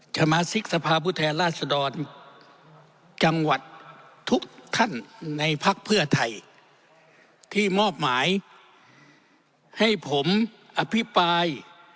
สมาชิกสภาพผู้แทนราชดรจังหวัดทุกท่านในภักดิ์เพื่อไทยที่มอบหมายให้ผมอภิปราย